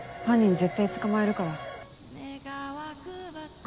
絶対捕まえるから。